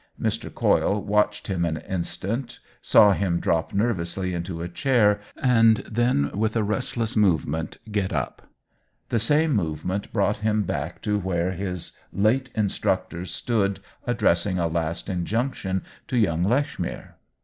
Mr. Coyle watched him an OWEN WINGRAVE 209 instant, saw him drop nervously into a chair, and then with a restless movement get up. The same movement brought him back to where his late instructor stood addressing a last injunction to young Lechmere.